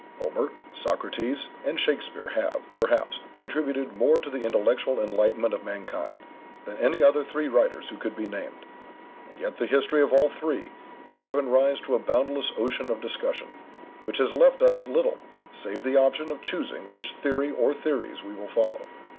Homer, Socrates, and Shakespere have, perhaps, contributed more to the intellectual enlightenment of mankind than any other three writers who could be named, and yet the history of all three has given rise to a boundless ocean of discussion, which has left us little save the option of choosing which theory or theories we will follow.